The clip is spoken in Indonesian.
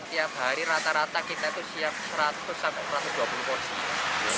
tiap hari rata rata kita itu siap seratus sampai satu ratus dua puluh porsi